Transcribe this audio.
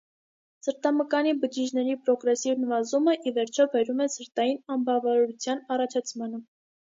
Սրտամկանի բջիջների պրոգրեսիվ նվազումը ի վերջո բերում է սրտային անբավարարության առաջացմանը։